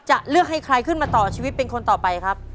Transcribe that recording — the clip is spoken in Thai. จะเลือกให้ใครขึ้นมาต่อชีวิตเป็นคนต่อไปครับ